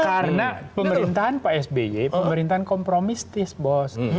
karena pemerintahan pak sby pemerintahan kompromistis bos